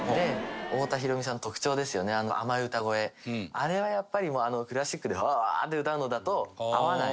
あれはやっぱりクラシックで「アアー」って歌うのだと合わない。